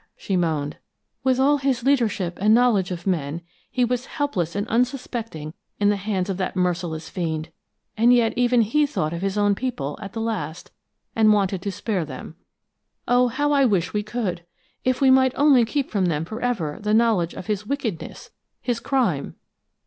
she moaned. "With all his leadership and knowledge of men, he was helpless and unsuspecting in the hands of that merciless fiend! And yet even he thought of his own people at the last, and wanted to spare them. Oh, how I wish we could! If we might only keep from them forever the knowledge of his wickedness, his crime!"